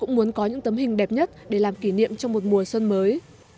một tấm hình đẹp nhất để làm kỷ niệm trong một mùa xuân mới